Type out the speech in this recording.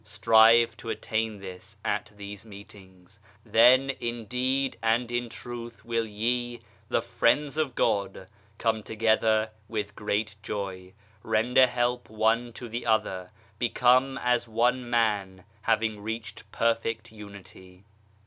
Strive to attain this at these meetings. Then, indeed and in truth will ye, the Friends of God, come together with great joy 1 Render help one to the other, become as one man, having reached perfect Unity.